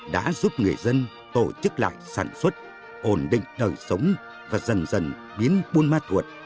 đã giúp người dân tổ chức lại sản xuất ổn định đời sống và dần dần biến buôn ma thuột